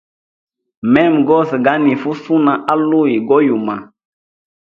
Mema gose ganifa usuna aluyi go yuma.